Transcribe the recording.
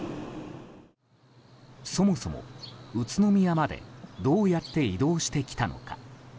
そもそも、宇都宮までどうやって移動してきたのか。